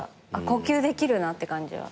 呼吸できるなって感じが。